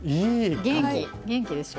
元気元気でしょ。